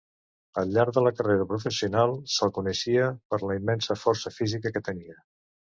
Al llarg de la carrera professional se'l coneixia per la immensa força física que tenia.